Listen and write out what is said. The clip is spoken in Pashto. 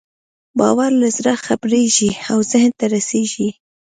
باور له زړه خپرېږي او ذهن ته رسېږي.